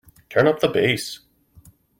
Turn up the bass.